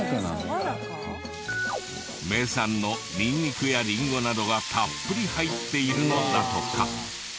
名産のニンニクやリンゴなどがたっぷり入っているのだとか。